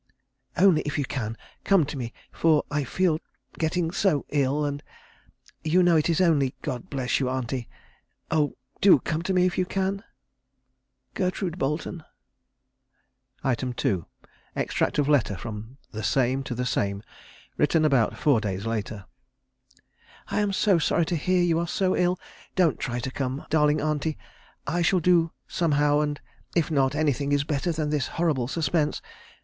Only if you can, come to me, for I feel getting so ill, and you know it is only God bless you, auntie; oh, do come to me if you can. "GERTRUDE BOLETON." 2. Extract of letter from the Same to the Same, written about four days later. "I am so sorry to hear you are so ill; don't try to come, darling auntie; I shall do somehow, and if not, anything is better than this horrible suspense....